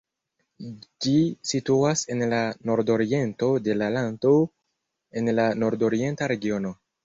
Ĝi situas en la nordoriento de la lando en la Nordorienta Regiono.